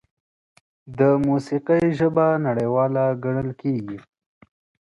د موسیقۍ ژبه نړیواله ګڼل کېږي.